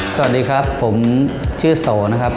สวัสดีครับผมชื่อโสนะครับ